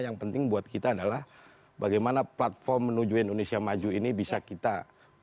yang penting buat kita adalah bagaimana platform menuju indonesia maju ini bisa kita lakukan